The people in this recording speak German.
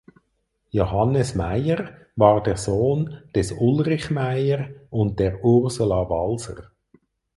Johannes Meyer war der Sohn des Ulrich Meyer und der Ursula Walser.